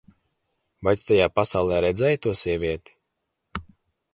Vai tu tajā pasaulē redzēji to sievieti?